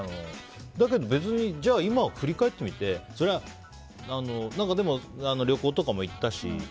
だけど、別に今振り返ってみて旅行とかも行ったし。